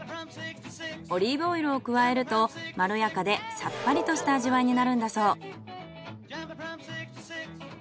オリーブオイルを加えるとまろやかでさっぱりとした味わいになるんだそう。